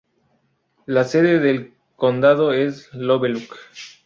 La sede del condado es Lovelock.